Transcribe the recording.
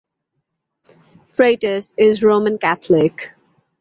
Freitas is Roman Catholic.